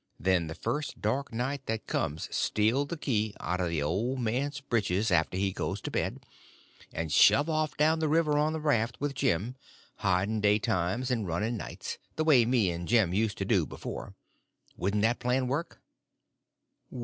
Then the first dark night that comes steal the key out of the old man's britches after he goes to bed, and shove off down the river on the raft with Jim, hiding daytimes and running nights, the way me and Jim used to do before. Wouldn't that plan work?"